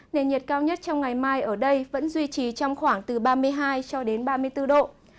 nền nhiệt cao nhất trong ngày mai ở đây vẫn duy trì trong khoảng từ ba mươi hai cho đến ba mươi bốn độ